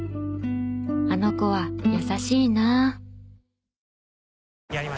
あの子は優しいなあ。